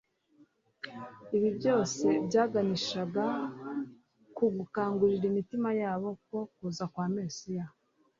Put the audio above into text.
Ibi byose byaganishaga ku gukangurira imitima yabo ku kuza kwa Mesiya,